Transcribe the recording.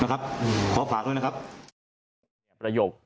ขอฝากด้วยนะครับ